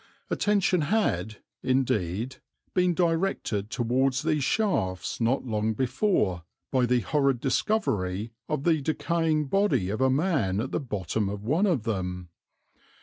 Attention had, indeed, been directed towards these shafts not long before by the horrid discovery of the decaying body of a man at the bottom of one of them.